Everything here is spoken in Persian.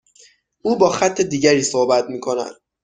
او با خط دیگری صحبت میکند.